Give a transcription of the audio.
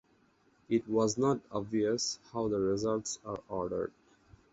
It was not obvious how the results are ordered.